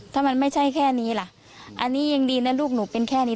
ถ้ามันไม่ใช่แค่นี้ล่ะอันนี้ยังดีนะลูกหนูเป็นแค่นี้